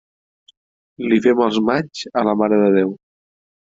Li fem els maigs a la Mare de Déu.